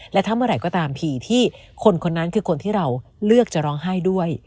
และถ้าเมื่อไหร่ก็ตามทีที่คนคนนั้นคือคนที่เราเลือกจะร้องไห้ด้วย